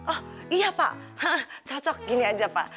oh iya pak cocok gini aja pak